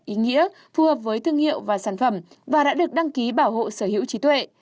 ý nghĩa phù hợp với thương hiệu và sản phẩm và đã được đăng ký bảo hộ sở hữu trí tuệ